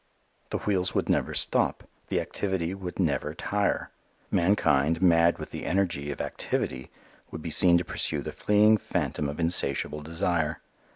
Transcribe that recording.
The wheels would never stop. The activity would never tire. Mankind, mad with the energy of activity, would be seen to pursue the fleeing phantom of insatiable desire.